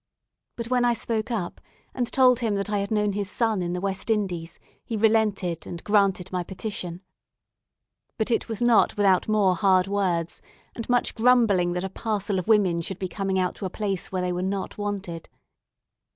But when I spoke up, and told him that I had known his son in the West Indies, he relented, and granted my petition. But it was not without more hard words, and much grumbling that a parcel of women should be coming out to a place where they were not wanted.